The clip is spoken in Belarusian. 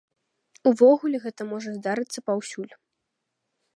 Увогуле гэта можа здарыцца паўсюль.